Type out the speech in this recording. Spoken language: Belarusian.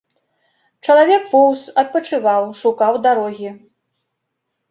Чалавек поўз, адпачываў, шукаў дарогі.